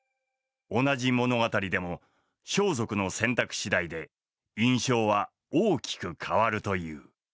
同じ物語でも装束の選択次第で印象は大きく変わるという。